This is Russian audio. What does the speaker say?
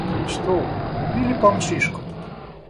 Что, убили Помчишку?